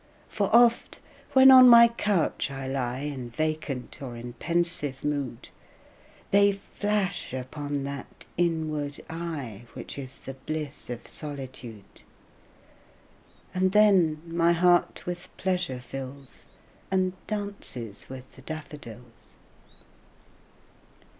For oft, when on my couch I lie In vacant or in pensive mood, They flash upon that inward eye Which is the bliss of solitude; And then my heart with pleasure fills, And dances with the daffodils.